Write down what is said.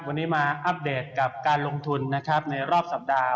วันนี้มาอัปเดตกับการลงทุนนะครับในรอบสัปดาห์